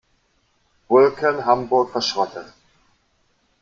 Vulcan Hamburg verschrottet.